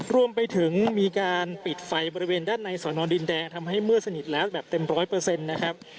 รวมไปถึงมีการปิดไฟบริเวณด้านในสอนอดินแดงทำให้มืดสนิทแล้วแบบเต็มร้อยเปอร์เซ็นต์นะครับ